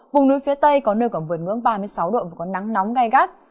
vùng núi phía tây có nơi còn vượt ngưỡng ba mươi sáu độ và có nắng nóng gai gắt